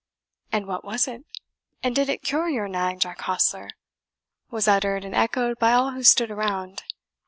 "And what was it? and did it cure your nag, Jack Hostler?" was uttered and echoed by all who stood around.